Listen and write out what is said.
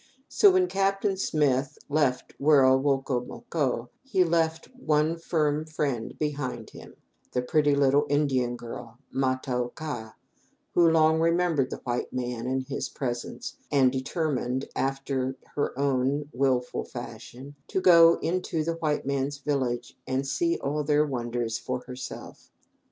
So, when Captain Smith left Wero woco moco, he left one firm friend behind him, the pretty little Indian girl, Ma ta oka, who long remembered the white man and his presents, and determined, after her own wilful fashion, to go into the white man's village and see all their wonders for herself.